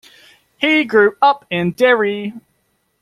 He grew up in Derry.